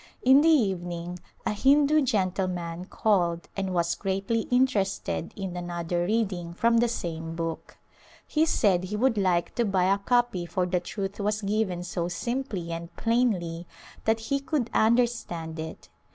In the evening a Hindu gentleman called and was greatly interested in another reading from the same book. He said he would like to buy a copy for the truth was given so simply and plainly that he could understand it.